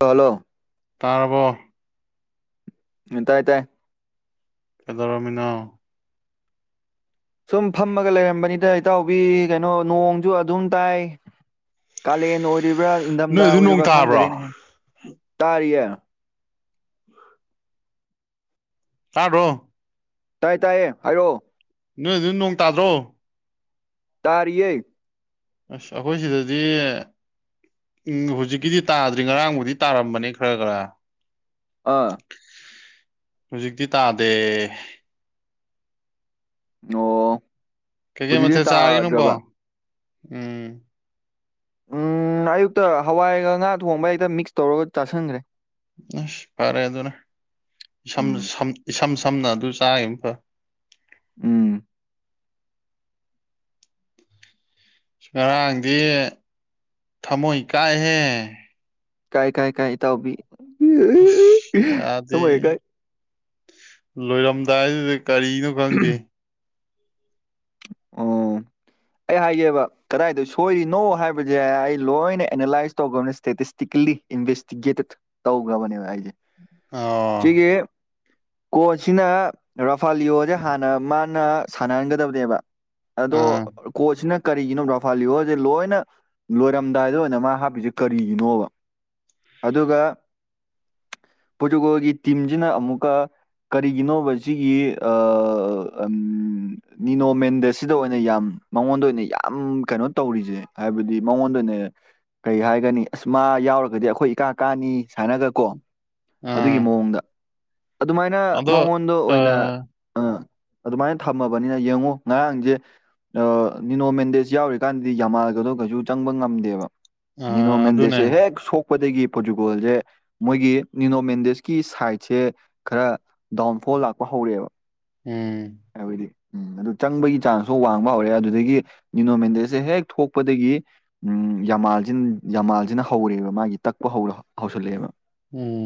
ꯑꯂꯣ ꯇꯥꯔꯕꯣ ꯎꯝ ꯇꯥꯏꯇꯥꯏ ꯀꯥꯗꯧꯔꯝꯃꯤꯅꯣ ꯁꯨꯝ ꯐꯝꯃꯒ ꯂꯩꯔꯝꯕꯅꯤꯗ ꯏꯇꯥꯎꯕꯤ ꯀꯩꯅꯣ ꯅꯣꯡꯁꯨ ꯑꯗꯨꯝ ꯇꯥꯏ ꯀꯥꯂꯦꯟ ꯑꯣꯏꯔꯤꯕ꯭ꯔꯥ ꯅꯣꯏ ꯏꯪꯗꯝꯗꯥ ꯑꯗꯨ ꯅꯣꯡ ꯑꯣꯏꯔꯤꯕ꯭ꯔꯥ ꯇꯥꯕ꯭ꯔꯣ ꯈꯪꯗꯔꯦꯅꯦꯍꯦ ꯇꯥꯔꯤꯌꯦ ꯇꯥꯕ꯭ꯔꯣ ꯇꯥꯏꯌꯦ ꯇꯥꯏꯌꯦ ꯍꯥꯏꯔꯛꯑꯣ ꯅꯣꯏ ꯑꯗꯨ ꯅꯣꯡ ꯇꯥꯗ꯭ꯔꯣ ꯇꯥꯔꯤꯌꯦ ꯑꯁ ꯑꯩꯈꯣꯏ ꯁꯤꯗꯗꯤ ꯎꯝ ꯍꯨꯖꯤꯛꯀꯤꯗꯤ ꯇꯥꯗ꯭ꯔꯤ ꯉꯔꯥꯡꯕꯨꯗꯤ ꯇꯥꯔꯝꯕꯅꯦ ꯈꯔ ꯈꯔ ꯑꯥ ꯍꯨꯖꯤꯛꯇꯤ ꯇꯥꯗꯦ ꯅꯣ ꯀꯩꯀꯩ ꯃꯊꯦꯜ ꯆꯥꯔꯒꯦ ꯅꯪꯕꯣ ꯎꯝ ꯎꯝ ꯑꯌꯨꯛꯇ ꯍꯋꯥꯏꯒ ꯉꯥ ꯊꯣꯡꯕ ꯍꯦꯛꯇ ꯃꯤꯛꯁ ꯇꯧꯔꯒ ꯆꯥꯥꯁꯟꯈ꯭ꯔꯦ ꯑꯁ ꯐꯔꯦ ꯑꯗꯨꯅ ꯏꯁꯝ ꯎꯝ ꯁꯝ ꯏꯁꯝ ꯁꯝꯅ ꯑꯗꯨ ꯆꯥꯒꯤꯝꯅ ꯐꯔꯦ ꯎꯝ ꯉꯔꯥꯡꯗꯤ ꯊꯃꯣꯏ ꯀꯥꯏꯍꯦ ꯀꯥꯏ ꯀꯥꯏ ꯀꯥꯏ ꯏꯇꯥꯎꯕꯤ [unintelligible] ꯊꯃꯣꯏ ꯀꯥꯏ ꯂꯣꯏꯔꯝꯗꯥꯏꯗꯨꯗꯥ ꯀꯔꯤꯅꯣ ꯈꯪꯗꯦ ꯑꯣ [inaudible] ꯑꯩ ꯍꯥꯏꯒꯦꯕ ꯀꯗꯥꯏꯗ ꯁꯣꯏꯔꯤꯅꯣ ꯍꯥꯏꯕꯁꯦ ꯑꯩ ꯂꯣꯏꯅ ꯑꯦꯅꯥꯂꯥꯏꯁ ꯇꯧꯒꯝꯅꯦ ꯏꯁꯇꯦꯇꯤꯁꯇꯤꯛꯂꯤ ꯏꯟꯚꯦꯁꯇꯤꯒꯦꯇꯦꯠ ꯇꯧꯒ꯭ꯔꯕꯅꯦꯕ ꯑꯩꯁꯦ ꯑꯣ ꯁꯤꯒꯤ ꯀꯣꯆꯁꯤꯅ ꯔꯥꯐꯥꯂꯤꯌꯣꯖꯦ ꯍꯥꯟꯅ ꯃꯥ ꯅ ꯁꯥꯟꯅꯍꯟꯒꯗꯕꯅꯦꯕ ꯑꯥ ꯑꯗꯣ ꯀꯣꯆꯁꯤꯅ ꯀꯔꯤꯒꯤꯅꯣ ꯔꯥꯐꯥꯜꯂꯤꯌꯣꯖꯦ ꯂꯣꯏꯅ ꯂꯣꯏꯔꯝꯗꯥꯏꯗ ꯑꯣꯏꯅ ꯃꯥ ꯍꯥꯞꯄꯤꯁꯦ ꯀꯔꯤꯒꯤꯅꯣꯕ ꯑꯗꯨꯒ ꯄꯣꯔꯇꯨꯒꯣꯜꯒꯤ ꯇꯤꯝꯖꯤꯅ ꯑꯃꯨꯛꯀꯥ ꯀꯔꯤꯒꯤꯅꯣꯕ ꯁꯤꯒꯤ ꯑꯥ ꯑꯝ ꯅꯤꯅꯣꯃꯦꯟꯗꯦꯁ ꯑꯣꯏꯅ ꯌꯥꯝ ꯃꯉꯣꯟꯗ ꯑꯣꯏꯅ ꯌꯥꯝ ꯀꯩꯅꯣ ꯇꯧꯔꯤꯖꯦ ꯍꯥꯏꯕꯗꯤ ꯃꯉꯣꯟꯗ ꯑꯣꯏꯅ ꯀꯩ ꯍꯥꯏꯒꯅꯤ ꯑꯁ ꯃꯥ ꯌꯥꯎꯔꯒꯗꯤ ꯑꯩꯈꯣꯏ ꯏꯀꯥ ꯀꯥꯅꯤ ꯁꯥꯏꯅꯒꯥꯀꯣ ꯑꯗꯨꯒꯤ ꯑꯥ ꯃꯑꯣꯡꯗ ꯑꯗꯨꯃꯥꯏꯅ ꯑꯗꯣ ꯃꯉꯣꯟꯗ ꯑꯣꯏꯅ ꯑꯥ ꯑꯥ ꯑꯗꯨꯃꯥꯏꯅ ꯊꯝꯃꯕꯅꯤꯅ ꯌꯦꯡꯉꯨ ꯉꯔꯥꯡꯖꯦ ꯑꯥ ꯅꯤꯅꯣ ꯃꯦꯟꯗꯦꯁ ꯌꯥꯎꯔꯤꯀꯥꯟꯗꯗꯤ ꯌꯥꯝꯃꯥꯜꯒꯗꯣ ꯀꯩꯁꯨ ꯆꯪꯕ ꯉꯝꯗꯦꯕ ꯅꯤꯅꯣ ꯑꯥ ꯃꯦꯟꯗꯦꯁ ꯑꯗꯨꯅꯦ ꯁꯦ ꯍꯦꯛ ꯁꯣꯛꯄꯗꯒꯤ ꯄꯣꯔꯇꯨꯒꯣꯜꯖꯦ ꯃꯣꯏꯒꯤ ꯅꯤꯅꯣꯃꯦꯟꯗꯦꯁꯀꯤ ꯁꯥꯏꯠꯁꯦ ꯈꯔ ꯗꯥꯎꯟꯐꯣꯜ ꯂꯥꯛꯄ ꯍꯧꯔꯛꯑꯦꯕ ꯎꯝ ꯍꯥꯏꯕꯗꯤ ꯎꯝ ꯑꯗꯨ ꯆꯪꯕꯒꯤ ꯆꯥꯟꯁ ꯁꯨ ꯋꯥꯡꯕ ꯍꯧꯔꯦ ꯑꯗꯨꯗꯒꯤ ꯅꯤꯅꯣꯃꯦꯟꯗꯦꯁꯦ ꯍꯦꯛ ꯊꯣꯛꯄꯗꯒꯤ ꯎꯝ ꯌꯥꯝꯃꯥꯜꯖꯤꯅ ꯌꯥꯝꯃꯥꯜꯖꯤꯅ ꯍꯧꯔꯦꯕ ꯃꯥꯒꯤ ꯇꯛꯄ ꯍꯧ ꯍꯧꯁꯜꯂꯛꯑꯦꯕ ꯎꯝ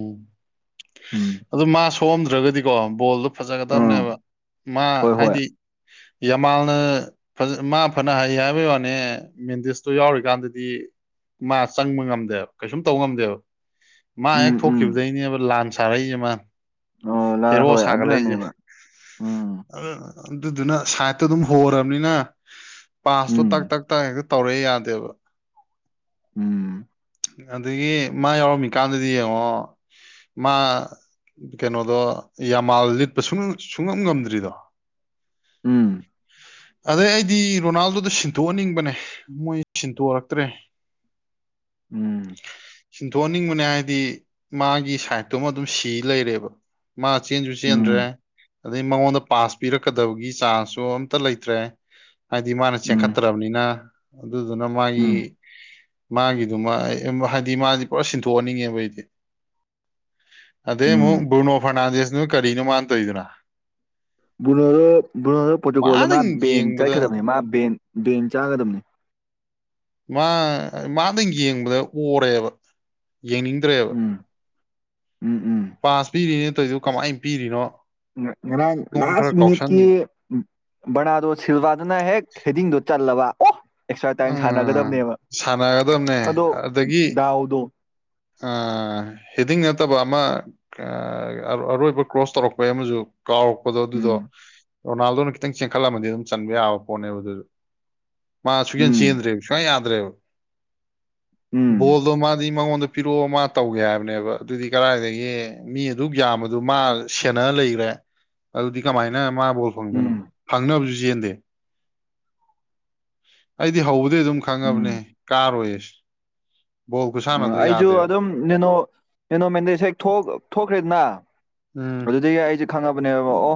ꯎꯝ ꯑꯗꯨ ꯃꯥ ꯁꯣꯛꯑꯝꯗ꯭ꯔꯒꯗꯤꯀꯣ ꯕꯣꯜꯗꯣ ꯐꯖꯒꯗꯕꯅꯦꯕ ꯃꯥ ꯍꯣꯏ ꯍꯣꯏ ꯍꯥꯏꯗꯤ ꯌꯥꯝꯃꯥꯜꯅ ꯃꯥ ꯐꯅ ꯍꯩ ꯍꯥꯏꯕꯩ ꯋꯥꯅꯤ ꯃꯦꯟꯗꯤꯁꯇꯣ ꯌꯥꯎꯔꯤꯀꯥꯟꯗꯗꯤ ꯃꯥ ꯆꯪꯕ ꯉꯝꯗꯦꯕ ꯀꯩꯁꯨꯝ ꯇꯧꯕ ꯉꯝꯗꯦꯕ ꯃꯥ ꯎꯝ ꯍꯦꯛ ꯎꯝ ꯊꯣꯛꯈꯤꯕꯗꯒꯤꯅꯦꯕ ꯂꯥꯟ ꯁꯥꯔꯛꯏꯖꯦ ꯃꯥ ꯑꯣ ꯂꯥ ꯍꯦꯔꯣ ꯍꯣꯏ ꯁꯥꯒꯠꯂꯛꯏꯖꯦ ꯑꯗꯨꯅꯅꯦꯕ ꯎꯝ ꯑꯗꯨ ꯑꯗꯨꯗꯨꯅ ꯁꯥꯏꯗꯠꯇꯣ ꯑꯗꯨꯝ ꯍꯣꯔꯥꯕꯅꯤꯅ ꯄꯥꯁꯇꯣ ꯇꯛ ꯎꯝ ꯇꯛ ꯇꯥ ꯍꯦꯛꯇ ꯇꯧꯔꯛꯑꯦ ꯌꯥꯗꯦꯕ ꯎꯝ ꯑꯗꯒꯤ ꯃꯥ ꯌꯥꯎꯔꯝꯃꯤꯀꯥꯟꯗꯗꯤ ꯌꯦꯡꯉꯣ ꯃꯥ ꯀꯩꯅꯣꯗꯣ ꯌꯥꯝꯃꯥꯜ ꯂꯤꯠꯄ ꯁꯨꯡ ꯁꯨꯡꯉꯝ ꯉꯝꯗ꯭ꯔꯤꯗꯣ ꯎꯝ ꯑꯗꯩ ꯑꯩꯗꯤ ꯔꯣꯅꯥꯜꯗꯣꯗꯣ ꯁꯤꯟꯇꯣꯛꯍꯟꯅꯤꯡꯕꯅꯦ ꯃꯣꯏ ꯁꯤꯟꯇꯣꯛꯔꯛꯇ꯭ꯔꯦ [inaudible] ꯎꯝ ꯁꯤꯟꯊꯣꯛꯟꯅꯤꯡꯕꯅꯦ ꯍꯥꯏꯗꯤ ꯃꯥꯒꯤ ꯁꯥꯏꯠꯇꯨꯃ ꯑꯗꯨꯝ ꯁꯤ ꯂꯩꯔꯦꯕ ꯃꯥ ꯆꯦꯟꯁꯨ ꯆꯦꯟꯗ꯭ꯔꯦ ꯎꯝ ꯑꯗꯩ ꯃꯉꯣꯟꯗ ꯄꯥꯁ ꯄꯤꯔꯛꯀꯗꯕꯒꯤ ꯆꯥꯟꯁꯁꯨ ꯑꯝꯇ ꯂꯩꯇ꯭ꯔꯦ ꯍꯥꯏꯗꯤ ꯃꯥꯅ ꯎꯝ ꯆꯦꯟꯈꯠꯇ꯭ꯔꯕꯅꯤꯅ ꯑꯗꯨꯗꯨꯅ ꯃꯥꯒꯤ ꯎꯝ ꯃꯥꯒꯤꯗꯨꯃ ꯍꯥꯏꯗꯤ ꯃꯥꯗꯤ ꯄꯨꯔꯥ ꯁꯤꯟꯊꯣꯛꯍꯟꯅꯤꯡꯉꯦꯕ ꯑꯩꯗꯤ ꯑꯗꯩ ꯑꯃꯨꯛ ꯎꯝ ꯕ꯭ꯔꯨꯅꯣ ꯐꯥꯔꯅꯥꯟꯗꯤꯁꯅꯨ ꯀꯔꯤꯅꯣ ꯃꯥꯅ ꯇꯧꯔꯤꯗꯨꯅ ꯕꯨꯅꯣꯗꯣ ꯕꯨꯅꯣꯗꯣ ꯄꯣꯔꯇꯨꯒꯣꯜꯗ ꯃꯥ ꯃꯥꯗꯪ ꯕꯦꯟ ꯌꯦꯡꯕꯗ ꯆꯠꯀꯗꯕꯅꯤ ꯃꯥ ꯕꯦꯟ ꯕꯦꯟ ꯆꯥꯒꯗꯕꯅꯤ ꯃꯥ ꯃꯗꯪ ꯌꯦꯡꯕꯗ ꯑꯣꯔꯦꯕ ꯌꯦꯡꯅꯤꯡ ꯎꯝ ꯎꯝ ꯎꯝ ꯄꯥꯁ ꯄꯤꯔꯤꯅꯦ ꯇꯧꯔꯤꯗꯨ ꯑꯁ ꯀꯃꯥꯏꯅ ꯄꯤꯔꯤꯅꯣ ꯉꯔꯥꯡ ꯃꯉꯣꯟ ꯂꯥꯁ ꯈꯔ ꯀꯥꯎꯁꯟ ꯃꯤꯅꯤꯠꯀꯤ ꯕꯔꯅꯥꯗꯣ ꯁꯤꯜꯚꯥꯗꯨꯅ ꯍꯦꯛ ꯍꯦꯗꯤꯡꯗꯣ ꯆꯜꯂꯕ ꯑꯣ ꯑꯦꯛꯁꯇ꯭ꯔꯥ ꯇꯥꯏꯝ ꯎꯝ ꯁꯥꯟꯅꯒꯗꯕꯅꯦꯕ ꯁꯥꯟꯅꯒꯗꯕꯅꯦ ꯑꯗꯣ ꯑꯗꯒꯤ ꯗꯥꯎꯗꯣ ꯍꯦꯗꯤꯡ ꯅꯠꯇꯕ ꯑꯃ ꯑ ꯑꯔꯣꯏꯕ ꯀ꯭ꯔꯣꯁ ꯇꯧꯔꯛꯄꯩ ꯑꯃꯖꯨ ꯀꯥꯎꯔꯛꯄꯗꯣ ꯑꯗꯨꯗꯣ ꯎꯝ ꯔꯣꯅꯥꯜꯗꯣꯅ ꯈꯤꯇꯪ ꯆꯦꯟꯈꯠꯂꯝꯃꯗꯤ ꯑꯗꯨꯝ ꯆꯟꯕ ꯌꯥꯕ ꯄꯣꯠꯅꯦꯕ ꯑꯗꯨ ꯃꯥ ꯁꯨꯛ ꯎꯝ ꯆꯦꯟꯗ꯭ꯔꯦ ꯁꯨꯡꯌꯥ ꯌꯥꯗ꯭ꯔꯦꯕ ꯎꯝ ꯕ‌ꯣꯜꯗꯣ ꯃꯥꯗꯤ ꯃꯥꯉ‌ꯣꯟꯗ ꯄꯤꯔꯛꯑꯣ ꯃꯥ ꯇꯧꯒꯦ ꯍꯥꯏꯕꯅꯦꯕ ꯑꯗꯨꯗꯤ ꯀꯔꯥꯏꯗꯒꯤ ꯃꯤ ꯑꯗꯨꯛ ꯌꯥꯝꯕꯗꯨ ꯃꯥ ꯁꯦꯟꯅ ꯂꯩꯈ꯭ꯔꯦ ꯑꯗꯨꯗꯤ ꯀꯃꯥꯏꯅ ꯃꯥ ꯕꯣꯜ ꯐꯪꯗꯣꯏꯅꯣ ꯐꯪꯅꯕꯁꯨ ꯆꯦꯟꯗꯦ ꯑꯩꯗꯤ ꯍꯧꯕꯗꯩ ꯑꯗꯨꯝ ꯈꯪꯉꯕꯅꯦ ꯎꯝ ꯀꯥꯔꯣꯏꯁ ꯑꯩꯁꯨ ꯑꯗꯨꯝ ꯅꯦꯅꯣ ꯅ‌ꯦꯅ‌ꯣ ꯃꯦꯟꯗꯦꯁ ꯍꯦꯛ ꯊ‌ꯣꯛ ꯊꯣꯛꯈ꯭ꯔꯦꯗꯅ ꯎꯝ ꯑꯗꯨꯗꯒꯤ ꯑꯩꯁꯦ ꯈꯪꯉꯕꯅꯦꯕ ꯑꯣ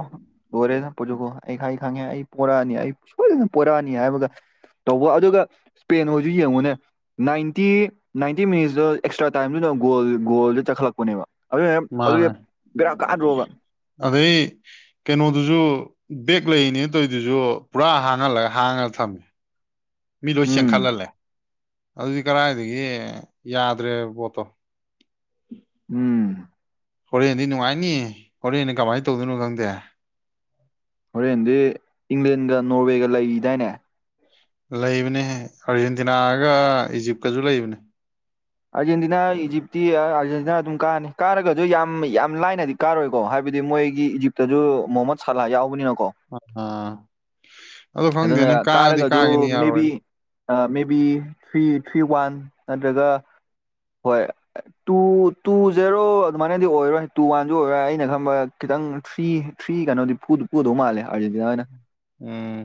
ꯂ‌ꯣꯏꯔꯦꯗꯟ ꯄ‌ꯣꯔꯇꯨꯒ‌ꯣꯜ ꯑꯩ ꯈꯪ ꯑꯩ ꯈꯪꯉꯦ ꯑꯩ ꯄꯣꯔꯛꯑꯅꯤ ꯑꯩ ꯁꯣꯏꯗꯅ ꯄꯣꯔꯛꯑꯅꯤ ꯍꯥꯏꯕꯒ ꯇꯧꯕ ꯑꯗꯨꯒ ꯁ꯭ꯄꯦꯟ ꯍꯣꯏꯁꯨ ꯌꯦꯡꯉꯨꯅꯦ ꯅꯥꯏꯟꯇꯤ ꯅꯥꯏꯟꯇꯤ ꯃꯤꯅꯤꯠꯁꯇ ꯑꯦꯛꯁꯇ꯭ꯔꯥ ꯇꯥꯏꯝꯗꯨꯅ ꯒ‌ꯣꯜ ꯒꯣꯜꯗꯨ ꯆꯠꯈꯠꯂꯛꯄꯅꯦꯕ ꯑꯗꯨ ꯑꯗꯨꯗꯤ ꯕꯦꯔꯥ ꯀꯥꯗ꯭ꯔꯣꯕ ꯑꯕꯤ ꯀꯩꯅꯣꯗꯨꯁꯨ ꯕꯦꯛ ꯂꯩꯅꯦ ꯇꯧꯔꯤꯗꯨꯁꯨ ꯄꯨꯔꯥ ꯍꯥꯡꯍꯜꯂꯒ ꯍꯥꯡꯉ ꯊꯝꯃꯦ ꯃꯤ ꯂꯣꯏ ꯎꯝ ꯆꯦꯟꯈꯠꯍꯜꯂꯦ ꯑꯗꯨꯗꯤ ꯀꯔꯥꯏꯗꯒꯤ ꯌꯥꯗ꯭ꯔꯦꯕ ꯄꯣꯠꯇꯣ ꯎꯝ ꯍꯣꯔꯦꯟꯗꯤ ꯅꯨꯡꯉꯥꯏꯅꯤ ꯍꯣꯔꯦꯟꯅ ꯀꯃꯥꯏꯅ ꯇꯧꯗꯣꯏꯅꯣ ꯈꯪꯗꯦ ꯍꯣꯔꯦꯟꯗꯤ ꯏꯪꯂꯦꯟꯒ ꯅꯣꯔꯋꯦꯒ ꯂꯩꯈꯤꯗꯥꯏꯅꯦ ꯂꯩꯕꯅꯦ ꯑꯥꯔꯖꯦꯟꯇꯤꯅꯥꯒ ꯏꯖꯤꯞꯀꯁꯨ ꯂꯩꯕꯅꯦ ꯑꯥꯔꯖꯦꯟꯇꯤꯅꯥ ꯏꯖꯤꯞꯇꯤ ꯑꯥ ꯑꯥꯔꯖꯦꯟꯇꯤꯅꯥ ꯑꯗꯨꯝ ꯀꯥꯅꯤ ꯀꯥꯔꯒꯖꯨ ꯌꯥꯝ ꯌꯥꯝ ꯂꯥꯏꯅꯗꯤ ꯀꯥꯔꯣꯏꯀꯣ ꯍꯥꯏꯕꯗꯤ ꯃꯣꯏꯒꯤ ꯏꯖꯤꯞꯇꯖꯨ ꯃꯣꯍꯃꯠ ꯁꯂꯥ ꯌꯥꯎꯕꯅꯤꯅꯀꯣ꯫ ꯑ ꯑꯗꯨ ꯑꯗꯨꯅ ꯈꯪꯗꯦꯅꯦ ꯀꯥꯗꯤ ꯀꯥꯒꯤꯅꯤ ꯌꯥꯔꯣꯏꯅꯦ꯫ ꯑꯥ maybe three three one ꯅꯠꯇ꯭ꯔꯒ ꯍꯣꯏ ꯇꯨ ꯇꯨ ꯖꯦꯔꯣ ꯑꯗꯨꯃꯥꯏꯅꯗꯤ ꯑꯣꯏꯔꯣꯏ ꯇꯨ ꯋꯥꯟꯖꯨ ꯑꯣꯏꯕ ꯌꯥꯏ ꯑꯩꯅ ꯈꯟꯕ ꯈꯤꯇꯪ ꯊ꯭ꯔꯤ ꯊ꯭ꯔꯤ ꯀꯩꯅꯣꯗꯤ ꯐꯨꯗꯧ ꯐꯨꯗꯧ ꯃꯥꯂꯦ ꯑꯔꯖꯦꯟꯇꯤꯅꯥ ꯍꯣꯏꯅ ꯎꯝ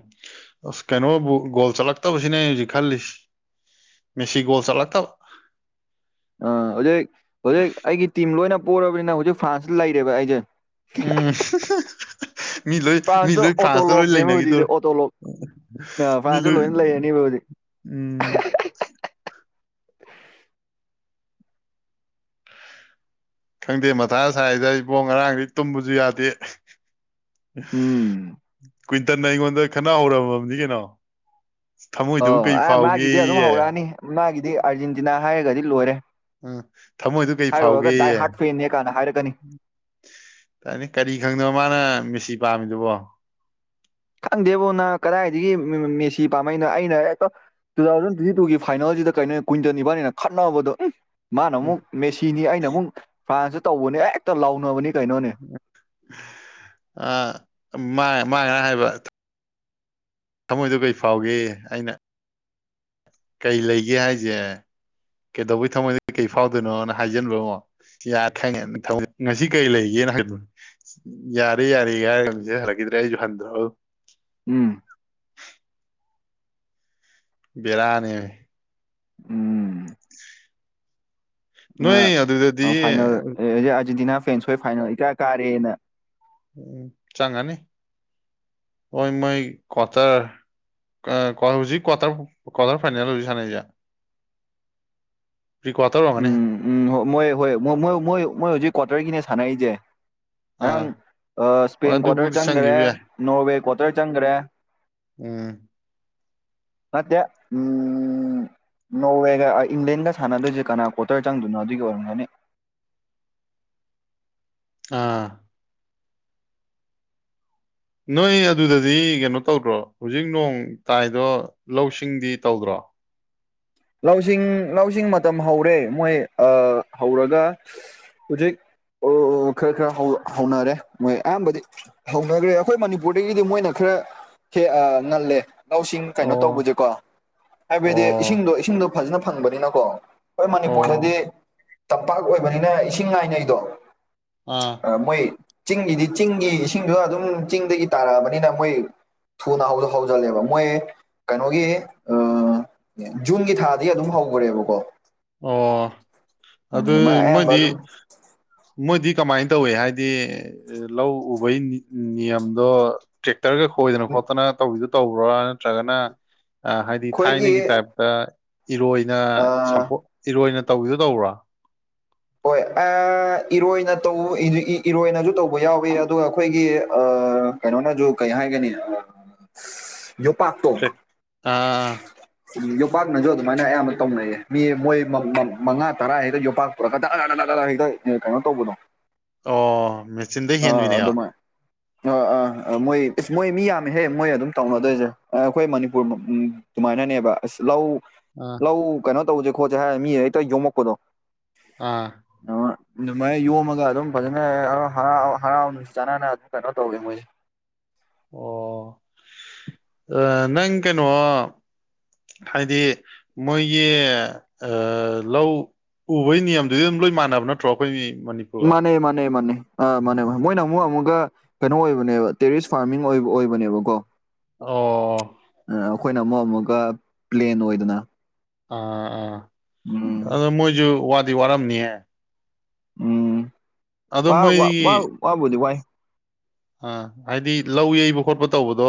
ꯑꯁ ꯀꯩꯅꯣꯕꯨ ꯒꯣꯜ ꯆꯠꯂꯛꯇꯕꯁꯤꯅꯦ ꯑꯩꯅ ꯍꯧꯖꯤꯛ ꯈꯜꯂꯤꯁꯤ꯫ Messi goal ꯆꯠꯂꯛꯇꯕ꯫ ꯑꯥ ꯍꯧꯖꯤꯛ ꯍꯧꯖꯤꯛ ꯑꯩꯒꯤ ꯇꯤꯝ ꯂꯣꯏꯅ ꯄꯣꯔꯕꯅꯤꯅ ꯍꯧꯖꯤꯛ ꯐ꯭ꯔꯥꯟꯁꯇ ꯂꯩꯔꯦꯕ ꯑꯩꯖꯦ꯫ ꯎꯝ ꯃꯤ ꯂꯣꯏ ꯃꯤ ꯐ꯭ꯔꯥꯟꯁꯇ ꯂꯣꯏ ꯐ꯭ꯔꯥꯟꯁꯇ ꯂꯣꯏ ꯂꯩꯅꯒꯤꯗꯣꯔꯦ꯫ ꯑ ꯐ꯭ꯔꯥꯟꯁꯇ ꯂꯣꯏꯅ ꯂꯩꯔꯅꯤꯕ ꯍꯨꯖꯤꯛ꯫ ꯎꯝ ꯈꯪꯗꯦ ꯃꯊꯥ ꯁꯥꯏꯗ ꯏꯕꯣ ꯉꯔꯥꯡꯗꯩ ꯇꯨꯝꯕꯖꯨ ꯌꯥꯗꯦ꯫ ꯎꯝ ꯀꯨꯏꯟꯇꯟꯅ ꯑꯩꯉꯣꯟꯗ ꯈꯠꯅ ꯍꯧꯔꯝꯃꯕꯅꯤ ꯀꯩꯅꯣ ꯊꯃꯣꯏꯗꯨꯕꯨ ꯑꯣ ꯀꯩ ꯑ ꯃꯥꯒꯤꯗꯤ ꯑꯗꯨꯝ ꯐꯥꯎꯒꯦꯌꯦ ꯍꯧꯔꯛꯑꯅꯤ ꯃꯥꯒꯤꯗꯤ ꯑꯥꯔꯖꯦꯟꯇꯤꯅꯥ ꯍꯥꯏꯔꯒꯗꯤ ꯂꯣꯏꯔꯦ꯫ ꯎꯝ ꯊꯃꯣꯏꯗꯨ ꯀꯩ ꯍꯥꯏꯔꯨꯔꯒ ꯗꯥꯏ ꯐꯥꯎꯒꯦꯌꯦ ꯍꯥꯔꯠ ꯐꯦꯅꯦ ꯀꯥꯅ ꯍꯥꯏꯔꯛꯀꯅꯤ꯫ ꯇꯅꯤ ꯀꯔꯤ ꯈꯪꯗꯅ ꯃꯥꯅ ꯃꯦꯁꯤ ꯄꯥꯝꯃꯤꯗꯨꯕꯣ꯫ ꯈꯪꯗꯦꯕꯣ ꯅ ꯀꯗꯥꯏꯗꯒꯤ ꯃꯦꯃꯦꯁꯤ ꯄꯥꯝꯃꯛꯏꯅꯣ ꯑꯩꯅ ꯍꯦꯛꯇ ꯇꯨ ꯊꯥꯎꯖꯟ ꯇ꯭ꯋꯦꯟꯇꯤ ꯇꯨꯒꯤ ꯐꯥꯏꯅꯦꯜꯁꯤꯗ ꯀꯩꯅꯣ ꯀꯨꯋꯟꯇꯟ ꯏꯕꯥꯅꯤꯅ ꯈꯠꯅꯕꯗꯣ ꯎꯝ ꯃꯥꯅ ꯎꯝ ꯑꯃꯨꯛ ꯃꯦꯁꯤꯅꯤ ꯑꯩꯅ ꯑꯃꯨꯛ ꯐ꯭ꯔꯥꯟꯁꯇ ꯇꯧꯕꯅ‌ꯦ ꯍꯦꯛꯇ ꯂꯥꯎꯅꯕꯅꯤ ꯀꯩꯅꯣꯅꯦ꯫ ꯑ ꯃꯥ ꯃꯥꯥꯅ ꯍꯥꯏꯕ ꯊꯃꯣꯏꯗꯣ ꯀꯩ ꯐꯥꯎꯒꯦꯌꯦ ꯑꯩꯅ ꯀꯩ ꯂꯩꯒꯦ ꯍꯥꯏꯖꯦ ꯀꯩꯗꯧꯕꯩ ꯊꯝꯃꯣꯏꯗ ꯀꯩ ꯐꯥꯎꯗꯣꯏꯅꯣꯅ ꯍꯥꯏꯖꯤꯟꯕ ꯉꯣ ꯌꯥꯔ‌ꯦ ꯈꯪꯉ‌ꯦ [unintelligible] ꯊꯅꯤ ꯉꯁꯤ ꯀꯔꯤ ꯂꯩꯒꯦꯅ ꯍꯥꯏꯕꯅꯦ ꯌꯥꯔꯦ ꯌꯥꯔꯦ ꯍꯥꯏꯔꯒ ꯃꯦꯁꯦꯁ ꯍꯜꯂꯛꯈꯤꯗ꯭ꯔꯦ ꯑꯩꯖꯨ ꯍꯟꯗꯔꯕ ꯑꯗꯨꯝ ꯎꯝ ꯕꯦꯔꯥꯅꯦꯃꯦ ꯎꯝ [inaudible] ꯅꯣꯏ ꯑꯗꯨꯗ ꯑꯥ ꯐꯥꯏꯅꯦꯜ ꯑꯥꯔꯖꯦꯟꯇꯤꯅꯥ ꯐ꯭ꯔꯦꯟꯁ ꯍꯣꯏ ꯐꯥꯏꯅꯦꯜ ꯏꯀꯥ ꯀꯥꯔꯦꯅ ꯎꯝ ꯆꯡꯉꯅꯤ ꯑꯣꯏ ꯃꯣꯏ ꯀꯋ꯭ꯇꯔ ꯑ ꯍꯧꯖꯤꯛ ꯀ꯭ꯋꯥꯇꯔ ꯀ꯭ꯋꯥꯇꯔ ꯐꯥꯏꯅꯦꯜ ꯍꯧꯖꯤꯛ ꯁꯥꯅꯩꯖꯦ ꯄ꯭ꯔꯤꯀ꯭ꯋꯥꯇꯔ ꯑꯣꯏꯔꯒꯅꯤꯍꯦ ꯎꯝ ꯎꯝ ꯍꯣꯏ ꯃꯣꯏ ꯍꯣꯏ ꯃꯣꯏ ꯃꯣꯏ ꯃꯣꯏ ꯃꯣꯏ ꯍꯧꯖꯤꯛ ꯀ꯭ꯋꯥꯇꯔꯒꯤꯅꯦ ꯁꯥꯟꯅꯔꯤꯖꯦ ꯑꯥ ꯉꯔꯥꯡ ꯑ ꯍꯣꯏ ꯏꯁꯄꯦꯟ ꯀ꯭ꯋꯥꯇꯔ ꯑꯗꯨꯕꯨꯗꯤ ꯆꯪꯒꯔꯦ ꯆꯪꯈꯤꯕ ꯌꯥꯏ ꯅꯣꯔꯋꯦ ꯀ꯭ꯋꯥꯇꯔ ꯆꯪꯒꯔꯦ ꯎꯝ ꯅꯠꯇꯦ ꯎꯝ ꯅꯣꯋꯦꯒ ꯑꯥ ꯏꯪꯂꯦꯟꯗꯒ ꯁꯥꯅꯗꯣꯏꯖꯦ ꯑ ꯀꯅꯥ ꯀꯋꯥꯇꯔ ꯆꯪꯗꯣꯏꯅꯣ ꯑꯗꯨꯒꯤ ꯑꯣꯏꯔꯝꯒꯅꯤ ꯑꯥ ꯅꯣꯏ ꯑꯗꯨꯗꯗꯤ ꯀꯩꯅꯣ ꯇꯧꯗ꯭ꯔꯣ ꯍꯧꯖꯤꯛ ꯅꯣꯡ ꯇꯥꯏꯗꯣ ꯂꯧꯁꯤꯡꯗꯤ ꯇꯧꯗ꯭ꯔꯣ ꯂꯧ ꯁꯤꯡ ꯂꯧꯁꯤꯡ ꯃꯇꯝ ꯍꯧꯔꯦ ꯃꯣꯏ ꯑꯥ ꯍꯧꯔꯒ ꯍꯨꯖꯤꯛ ꯑꯣ ꯈꯔ ꯈꯔ ꯍꯧꯅꯔꯦ ꯃꯣꯏ ꯑꯌꯥꯝꯕꯗꯤ ꯍꯧꯅꯒꯔꯦ ꯑꯈꯣꯏ ꯃꯅꯤꯄꯨꯔꯗꯒꯤꯗꯤ ꯃꯣꯏꯅ ꯈꯔ ꯍꯦ ꯑꯥ ꯉꯜꯂꯦ ꯂꯧꯁꯤꯡ ꯀꯩꯅꯣ ꯑꯣ ꯇꯧꯕꯖꯦꯀꯣ ꯍꯥꯏꯕꯗꯤ ꯑꯣ ꯏꯁꯤꯡꯗꯣ ꯏꯁꯤꯡꯗꯣ ꯐꯖꯅ ꯐꯪꯕꯅꯤꯅꯀꯣ ꯈꯣꯏ ꯃꯅꯤꯄꯨꯔꯗꯗꯤ ꯑꯣ ꯇꯝꯄꯥꯛ ꯑꯣꯏꯕꯅꯤꯅ ꯏꯁꯤꯡ ꯉꯥꯏꯅꯩꯗꯣ ꯑ ꯑꯥ ꯃꯣꯏ ꯆꯤꯡꯒꯤꯗꯤ ꯆꯤꯡꯒꯤ ꯏꯁꯤꯡꯗ ꯑꯗꯨꯝ ꯆꯤꯡꯗꯒꯤ ꯇꯥꯔꯛꯑꯕꯅꯤꯅ ꯃꯣꯏ ꯊꯨꯅ ꯍꯧꯖ ꯍꯧꯖꯤꯜꯂꯦꯕ ꯃꯣꯏ ꯀꯩꯅꯣꯒꯤ ꯑꯥ ꯖꯨꯟꯒꯤ ꯊꯥꯗꯩ ꯑꯗꯨꯝ ꯍꯧꯒꯔꯦꯕꯀꯣ ꯑꯣ ꯑꯗꯨꯢ ꯑꯗꯨꯃꯥꯏꯅ ꯑꯌꯥꯝꯕ ꯃꯣꯏꯗꯤ ꯑꯗꯨꯝ ꯃꯣꯏꯗꯤ ꯀꯃꯥꯏꯅ ꯇꯧꯏ ꯍꯥꯏꯗꯤ ꯂꯧ ꯎꯕꯩ ꯅꯤꯌꯝꯗꯣ ꯇ꯭ꯔꯦꯛꯇꯔꯒ ꯈꯣꯏꯗꯅ ꯑꯩꯈꯣꯏꯒꯤ ꯈꯣꯠꯇꯅ ꯇꯧꯕꯤꯗꯨ ꯇꯧꯕ꯭ꯔꯥ ꯅꯠꯇ꯭ꯔꯒꯅ ꯍꯥꯏꯗꯤ ꯊꯥꯏꯅꯒꯤ ꯇꯥꯏꯞ ꯑ ꯏꯔꯣꯏꯅ ꯁꯝꯄꯣꯠ ꯏꯔꯣꯏꯅ ꯇꯧꯕꯤꯗꯣ ꯇꯧꯕ꯭ꯔꯣ ꯍꯣꯏ ꯑ ꯏꯔꯣꯏꯅ ꯇꯧ ꯏꯔꯣꯏꯅꯖꯨ ꯇꯧꯕ ꯌꯥꯎꯋꯤ ꯑꯗꯨꯒ ꯑꯩꯈꯣꯏꯒꯤ ꯑ ꯀꯩꯅꯣꯅꯥꯖꯨ ꯀꯩ ꯍꯥꯏꯒꯅꯤ [inaudible] ꯌꯣꯠꯄꯥꯛꯇꯣ ꯇ꯭ꯔꯦꯛ ꯑꯥ ꯌꯣꯄꯥꯛꯅꯁꯨ ꯑꯗꯨꯃꯥꯏꯅ ꯑꯌꯥꯝꯕ ꯇꯧꯅꯩꯌꯦ ꯃꯤ ꯃꯣꯏ ꯃ ꯃꯉꯥ ꯇꯔꯥ ꯍꯦꯛꯇ ꯌꯣꯄꯥꯛ ꯄꯨꯔꯒ ꯗꯔꯗꯔ ꯍꯦꯛꯇ ꯀꯩꯅꯣ ꯇꯧꯕꯗꯣ ꯑꯣ ꯃꯦꯆꯤꯟꯗ ꯑ ꯍꯦꯟꯕꯤꯅꯦꯕ ꯑꯗꯨꯃꯥꯏ ꯑ ꯑ ꯑ ꯃꯣꯏ ꯏꯁ ꯃꯣꯏ ꯃꯤ ꯌꯥꯝꯃꯦꯍꯦ ꯃꯣꯏ ꯑꯗꯨꯝ ꯇꯧꯅꯗꯣꯏꯖꯦ ꯑꯩꯈꯣꯏ ꯃꯅꯤꯄꯨꯔ ꯃꯨꯛ ꯎꯝ ꯗꯨꯨꯃꯥꯏꯅꯅꯦꯕ ꯑꯁ ꯂꯧ ꯑꯥ ꯂꯧ ꯀꯩꯅꯣ ꯇꯧꯁꯦ ꯈꯣꯠꯁꯦ ꯍꯥꯏꯔ ꯃꯤ ꯍꯛꯇ ꯌꯣꯝꯃꯛꯄꯗꯣ ꯑ ꯑ ꯑꯗꯨꯃꯥꯏꯅ ꯌꯣꯝꯃꯒ ꯑꯗꯨꯝ ꯐꯖꯅ ꯑ ꯍꯔꯥꯎ ꯍꯔꯥꯎ ꯆꯥꯟꯅꯅ ꯀꯩꯅꯣ ꯇꯧꯒꯦ ꯃꯣꯏꯁꯦ ꯑꯣ ꯑ ꯅꯪ ꯀꯩꯅꯣ ꯍꯥꯏꯗꯤ ꯃꯣꯏꯒꯤ ꯑ ꯂꯧ ꯎꯕꯒꯤ ꯅꯤꯌꯝꯗꯨꯗꯤ ꯂꯣꯏ ꯃꯥꯟꯅꯕ ꯅꯠꯇ꯭ꯔꯣ ꯑꯩꯈꯣꯏ ꯃꯅꯤ ꯃꯥꯅꯩ ꯃꯥꯅꯩ ꯃꯥꯅꯩ ꯑ ꯃꯥꯅꯕ ꯃꯃꯣꯏꯅ ꯑꯃꯨꯛ ꯑꯃꯨꯛꯀ ꯀꯩꯅꯣ ꯑꯣꯏꯕꯅꯦꯕ ꯇꯦꯔꯤꯁ ꯐꯥꯔꯃꯤꯡ ꯑꯣꯏꯕ ꯑꯣꯏꯕꯅꯦꯕꯀꯣ ꯑꯣ ꯑ ꯑꯩꯈꯣꯏꯅ ꯑꯃꯨꯛ ꯑꯃꯨꯛꯀ ꯄ꯭ꯂꯦꯟ ꯑꯣꯏꯗꯅ ꯑ ꯑ ꯎꯝ ꯑꯗꯨꯗꯣ ꯃꯣꯏꯖꯨ ꯋꯥꯗꯤ ꯋꯥꯔꯝꯅꯤꯍꯦ ꯎꯝ ꯑꯗꯣ ꯋꯥ ꯋꯥ ꯃꯣꯏꯒꯤ ꯋꯥꯕꯨꯗꯤ ꯋꯥꯏ ꯑꯥ ꯍꯥꯏꯗꯤ ꯂꯧ ꯌꯩꯕ ꯈꯣꯠꯄ ꯇꯧꯕꯗꯣ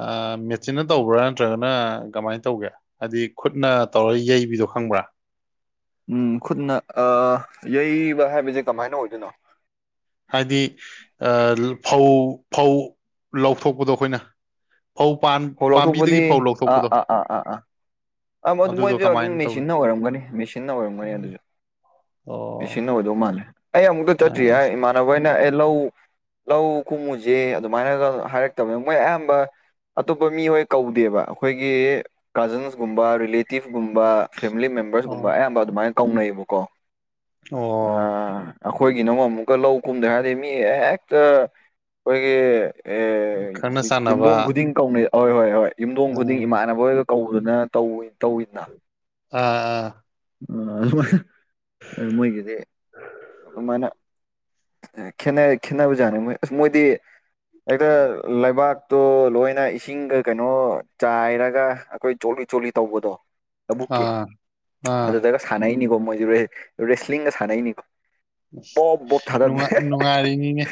ꯑ ꯃꯦꯆꯤꯟꯅ ꯇꯧꯕ꯭ꯔꯥ ꯅꯠꯇ꯭ꯔꯒꯅ ꯀꯃꯥꯏꯅ ꯇꯧꯒꯦ ꯑꯗꯨꯏ ꯈꯨꯠꯅ ꯇꯧꯔ ꯌꯩꯕꯤꯗꯣ ꯈꯪꯕ꯭ꯔꯥ ꯎꯝ ꯈꯨꯠꯅ ꯑ ꯌꯩꯕ ꯍꯥꯏꯕꯖꯦ ꯀꯃꯥꯏꯅ ꯑꯣꯏꯗꯣꯏꯅꯣ ꯍꯥꯏꯗꯤ ꯑ ꯐꯧ ꯐꯧ ꯂꯧꯊꯣꯛꯄꯗꯣ ꯑꯩꯈꯣꯏꯅ ꯐꯧ ꯄꯥꯟ ꯐꯧ ꯄꯥꯝꯕꯤꯗꯒꯤ ꯂꯧꯊꯣꯛꯄꯗꯤ ꯐꯧ ꯑ ꯂꯧꯊꯣꯛꯄꯗꯣ ꯑ ꯑ ꯑ ꯑ ꯑꯗꯨꯗꯣ ꯃꯣꯏꯗꯤ ꯑꯗꯨꯝ ꯀꯃꯥꯏꯅ ꯇꯧꯒꯦ ꯃꯦꯆꯤꯟꯅ ꯑꯣꯏꯔꯝꯒꯅꯤ ꯃꯦꯆꯤꯟꯅ ꯑꯣꯏꯔꯝꯒꯅꯤ ꯑꯗꯨꯖꯨ ꯑꯣ ꯃꯦꯆꯤꯟꯅ ꯑꯣꯏꯗꯧ ꯃꯥꯜꯂꯦ ꯑꯩ ꯑꯃꯨꯛꯇ ꯆꯠꯇ꯭ꯔꯤ ꯍꯥꯏ ꯑꯁ ꯏꯃꯥꯟꯅꯍꯣꯏꯅ ꯑꯦ ꯂꯧ ꯂꯧ ꯈꯨꯝꯃꯨꯖꯦ ꯑꯗꯨꯃꯥꯏꯅꯒ ꯍꯥꯏꯔꯛꯇꯕꯅꯦ ꯃꯣꯏ ꯑꯌꯥꯝꯕ ꯑꯇꯣꯞꯄ ꯃꯤꯍꯣꯏ ꯀꯧꯗꯦꯕ ꯑꯩꯈꯣꯏꯒꯤ ꯀꯖꯟꯁ ꯀꯨꯝꯕ ꯔꯤꯂꯦꯇꯤꯞ ꯒꯨꯝꯕ ꯐꯦꯃꯤꯂꯤ ꯃꯦꯝꯕꯔꯁ ꯑꯣ ꯀꯨꯝꯕ ꯑꯌꯥꯝꯕ ꯑꯗꯨꯃꯥꯏ ꯀꯧꯅꯩꯌꯦꯕꯀꯣ ꯑꯣ ꯑ ꯑꯩꯈꯣꯏꯒꯤꯅ ꯑꯃꯨꯛꯀ ꯂꯧ ꯀꯨꯝꯅꯦ ꯍꯥꯏꯔꯗꯤ ꯃꯤ ꯍꯦꯛꯇ ꯑꯩꯈꯣꯏꯒꯤ ꯑꯦ ꯈꯪꯅ ꯆꯥꯟꯅꯕ ꯌꯨꯝꯗꯣꯡ ꯈꯨꯗꯤꯡ ꯀꯧꯅꯩ ꯍꯣꯏ ꯍꯣꯏ ꯍꯣꯏ ꯌꯨꯝꯊꯣꯡ ꯈꯨꯗꯤꯡ ꯑꯥ ꯏꯃꯥꯟꯅꯕ ꯍꯣꯏꯒ ꯀꯧꯗꯨꯅ ꯇꯧꯋꯦ ꯇꯧꯋꯤꯗꯅ ꯑꯥ ꯑꯥ ꯑ [unintelligible] ꯑ ꯃꯣꯏꯒꯤꯗꯤ ꯑꯗꯨꯃꯥꯏꯅ ꯈꯦꯠꯅꯔꯦ ꯈꯦꯠꯅꯕꯖꯥꯠꯅꯤ ꯃꯣꯏ ꯑꯁ ꯃꯣꯏꯗꯤ ꯍꯦꯛꯇ ꯂꯩꯕꯥꯛꯇꯣ ꯂꯣꯏꯅ ꯏꯁꯤꯡꯒ ꯀꯩꯅꯣ ꯆꯥꯏꯔꯒ ꯑꯩꯈꯣꯏ ꯆꯣꯠꯂꯤ ꯆꯣꯠꯂꯤ ꯇꯧꯕꯗꯣ ꯂꯕꯨꯛꯀꯤ ꯑꯥ ꯑꯥ ꯑꯗꯨꯗꯒ ꯁꯥꯟꯅꯩꯅꯤꯀꯣ ꯃꯣꯏꯖꯦ ꯔꯦ ꯔꯦꯁꯂꯤꯡꯒ ꯁꯥꯟꯅꯩꯅꯤꯀꯣ ꯕꯣꯞ ꯕꯣꯞ ꯊꯥꯗꯕꯅꯦ ꯅꯨꯡꯉꯥꯏ ꯅꯨꯡꯉꯥꯏꯔꯤꯅꯤꯅꯦ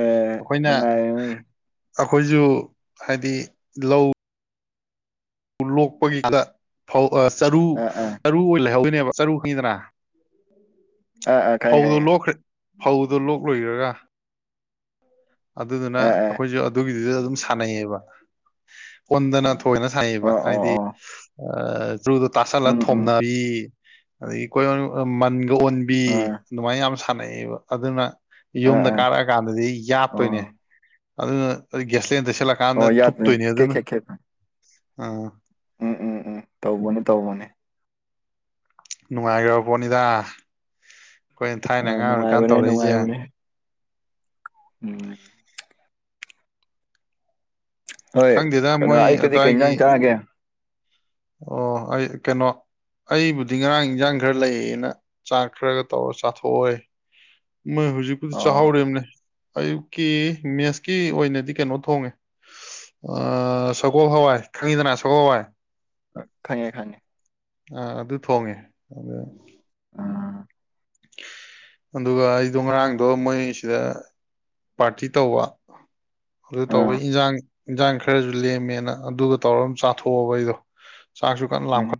ꯑꯦ ꯑꯩꯈꯣꯏꯅ ꯅꯨꯡꯉꯥꯏꯔꯝꯅꯤ ꯑꯩꯈꯣꯏꯁꯨ ꯍꯥꯏꯗꯤ ꯂꯧ ꯂꯣꯛꯄꯒꯤꯗ ꯐꯧ ꯆꯔꯨ ꯑꯥ ꯑꯥ ꯆꯔꯨ ꯑꯣꯏꯅ ꯂꯩꯍꯧꯗꯣꯏꯅꯦꯕ ꯆꯔꯨ ꯈꯪꯉꯤꯗꯅ ꯑꯥ ꯑꯥ ꯈꯪꯉꯦ ꯐꯧꯗꯣ ꯈꯪꯉꯦ ꯂꯣꯛꯈ꯭ꯔ ꯐꯧꯗꯣ ꯂꯣꯛꯂꯣꯏꯔꯒ ꯑꯗꯨꯗꯨꯅ ꯑꯥ ꯑꯥ ꯑꯩꯈꯣꯏꯁꯨ ꯑꯗꯨꯒꯤꯗꯨꯗ ꯑꯗꯨꯝ ꯁꯥꯟꯅꯩꯌꯦꯕ ꯑꯣꯟꯗꯅ ꯊꯣꯏꯅ ꯁꯥꯅꯩꯌꯦꯕ ꯑꯣ ꯑꯣ ꯍꯥꯏꯗꯤ ꯑꯣ ꯆ꯭ꯔꯨꯗꯣ ꯇꯥꯁꯜꯂ ꯎꯝ ꯎꯝ ꯊꯣꯝꯅꯕꯤ ꯑꯗꯒꯤ ꯀꯣꯏꯑꯣꯏ ꯃꯟꯒ ꯑꯣꯟꯕꯤ ꯑꯥ ꯑꯗꯨꯃꯥꯏꯅ ꯌꯥꯝ ꯁꯥꯟꯅꯩꯑꯕ ꯑꯗꯨꯅ ꯑꯥ ꯌꯨꯝꯗ ꯑꯥ ꯀꯥꯔꯛꯑ ꯀꯥꯟꯗꯗꯤ ꯑꯣ ꯑꯗꯨꯅ ꯒ꯭ꯌꯦꯁꯂꯦꯟ ꯑꯣ ꯇꯩꯁꯤꯜꯂꯛꯀꯥꯟꯗ ꯌꯥꯗ꯭ꯔꯦ ꯊꯨꯞꯇꯣꯏꯅꯦ ꯀꯦꯛ ꯑꯗꯨꯅ ꯈꯦꯛ ꯈꯦꯛ ꯑꯥ ꯎꯝ ꯎꯝ ꯎꯝ ꯇꯧꯕꯅꯤ ꯇꯧꯕꯅꯦ ꯅꯨꯡꯉꯥꯏꯈ꯭ ꯄꯣꯠꯅꯤꯗ ꯑꯩꯈꯣꯏ ꯊꯥꯏꯅ ꯑꯥ ꯑꯉꯥꯡ ꯑꯣꯏꯔꯤꯀꯥꯟꯗ ꯅꯨꯡꯉꯥꯏꯕꯅꯦ ꯇꯧꯔꯛꯏꯁꯦ ꯅꯨꯡꯉꯥꯏꯕꯅꯦ ꯎꯝ ꯍꯣꯏ ꯈꯪꯗꯦꯗ ꯀꯩꯅꯣ ꯃꯣꯏ ꯑꯌꯨꯛꯇꯗꯤ ꯀꯩ ꯑꯗꯨꯋꯥꯏꯒꯤ ꯏꯟꯖꯥꯡ ꯆꯥꯒꯦ ꯑꯣ ꯑꯩ ꯀꯩꯅꯣ ꯑꯩꯕꯨꯗꯤ ꯉꯔꯥꯡ ꯏꯟꯁꯥꯡ ꯈꯔ ꯂꯩꯌꯦꯅ ꯆꯥꯛ ꯈꯔꯒ ꯇꯧꯔ ꯆꯥꯊꯣꯛꯑꯣꯏ ꯃꯣꯏ ꯍꯧꯖꯤꯛꯄꯨꯗꯤ ꯑꯣ ꯆꯥꯍꯥꯎꯔꯤꯅꯦ ꯑꯌꯨꯛꯀꯤ ꯃꯦꯁꯀꯤ ꯑꯣꯏꯅꯗꯤ ꯀꯩꯅꯣ ꯊꯣꯡꯉꯦ ꯑ ꯁꯒꯣꯜ ꯍꯋꯥꯏ ꯈꯪꯉꯤꯗꯅ ꯁꯒꯣꯜ ꯍꯋꯥꯏ ꯈꯪꯉꯦ ꯈꯪꯉꯦ ꯑ ꯑꯗꯨ ꯊꯣꯡꯉꯦ ꯑ ꯑꯥ ꯑꯗꯨꯒ ꯑꯩꯗꯣ ꯉꯔꯥꯡꯗꯣ ꯃꯣꯏꯁꯤꯗ ꯄꯥꯔꯇꯤ ꯇꯧꯕ ꯑꯗꯨ ꯇꯧꯕ ꯏꯟꯖꯥꯡ ꯏꯟꯖꯥꯡ ꯈꯔꯁꯨ ꯂꯦꯝꯃꯦꯅ ꯑꯗꯨꯒ ꯇꯧꯔꯒ ꯑꯃ ꯆꯥꯊꯣꯛꯑꯕ ꯑꯩꯗꯣ ꯆꯥꯛꯁꯨ ꯀꯟ ꯂꯥꯝꯈꯠ